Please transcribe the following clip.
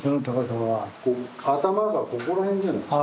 頭がここら辺じゃないですか。